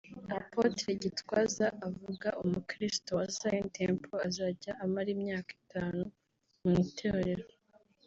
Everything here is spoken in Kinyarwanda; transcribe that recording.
Apotre Gitwaza avuga umukristo wa Zion Temple azajya amara imyaka itanu mu itorero